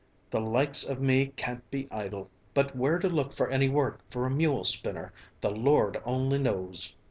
"The likes of me can't be idle. But where to look for any work for a mule spinner, the Lord only knows!"